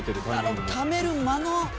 「あのためる間の」